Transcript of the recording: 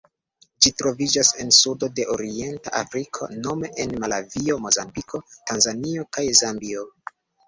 Ĝi troviĝas en sudo de orienta Afriko nome en Malavio, Mozambiko, Tanzanio kaj Zambio.